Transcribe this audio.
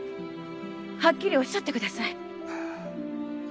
はっきりおっしゃってください。